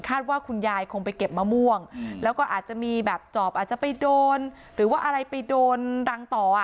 ว่าคุณยายคงไปเก็บมะม่วงแล้วก็อาจจะมีแบบจอบอาจจะไปโดนหรือว่าอะไรไปโดนรังต่ออ่ะ